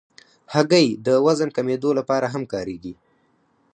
هګۍ د وزن کمېدو لپاره هم کارېږي.